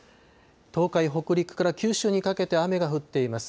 東海、北陸から九州にかけて雨が降っています。